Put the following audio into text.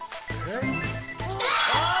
きた！